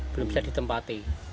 belum bisa ditempati